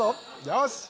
よし！